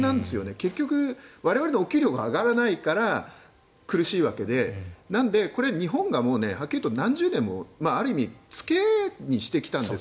結局我々のお給料が上がらないから苦しいわけでなので日本ははっきりいって何十年もある意味付けにしてきたんです。